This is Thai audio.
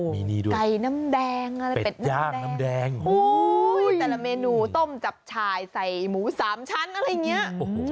มีนี่ด้วยเป็ดยากน้ำแดงโอ้โหแต่ละเมนูต้มจับชายใส่หมูสามชั้นอะไรอย่างเงี้ย